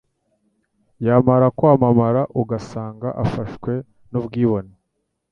yamara kwamamara ugasanga afashwe n'ubwibone